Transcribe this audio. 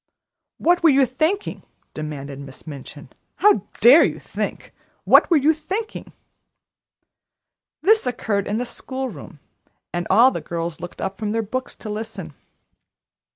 "What were you thinking?" demanded Miss Minchin. "How dare you think? What were you thinking?" This occurred in the school room, and all the girls looked up from their books to listen.